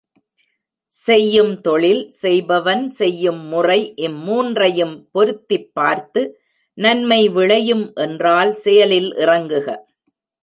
செய்யும் தொழில், செய்பவன், செய்யும் முறை இம் மூன்றையும் பொருத்திப் பார்த்து நன்மை விளையும் என்றால் செயலில் இறங்குக.